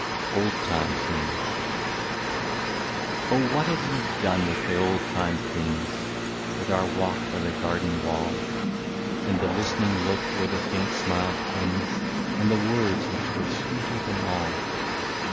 M OLD TIME THINGS. '^ Oh, what have you done with the old time things ;— With our walk by the garden wall, And the listening look, where the faint smile clings, And the words, which were sweeter than all